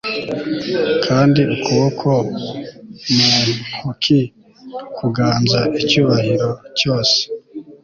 kandi, ukuboko mu ntoki, kuganza icyubahiro cyose